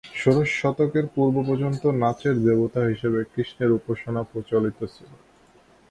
ষোড়শ শতকের পূর্ব পর্যন্তও 'নাচের দেবতা' হিসেবে কৃষ্ণের উপাসনা প্রচলিত ছিল।